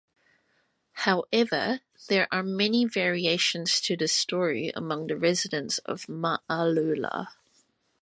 However, there are many variations to this story among the residents of Ma'loula.